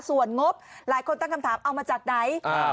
ส่วนงบหลายคนตั้งคำถามเอามาจากไหน